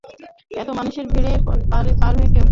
এতো মানুষের ভীড়ে, পাওয়াই যাবে কাউকে।